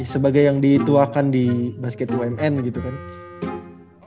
sebagai yang dituakan di basket bumn gitu kan